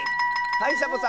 はいサボさん。